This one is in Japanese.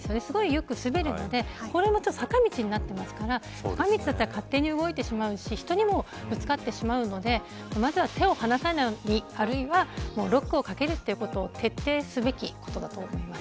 よく滑るのでこれは坂道になっているので勝手に動いてしまうし人にもぶつかるのでまずは、手を離さないようにあるいはロックをかけるということを徹底すべきだと思います。